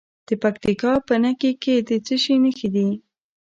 د پکتیکا په نکې کې د څه شي نښې دي؟